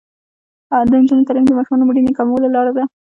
د نجونو تعلیم د ماشومانو مړینې کمولو لاره ده.